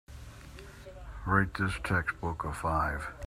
Rate this textbook a five